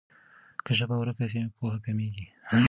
که ژبه ورکه سي پوهه کمېږي.